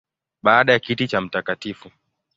Baada ya kiti cha Mt.